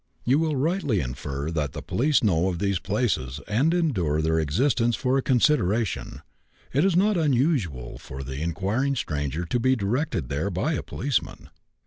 You will rightly infer that the police know of these places and endure their existence for a consideration; it is not unusual for the inquiring stranger to be directed there by a policeman."